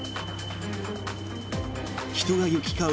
人が行き交う